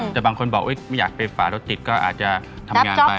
แต่บางคนบอกไม่อยากไปฝารถติดก็อาจจะทำงานไป